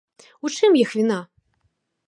У чым іх віна?